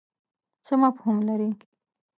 څه مفهوم لري.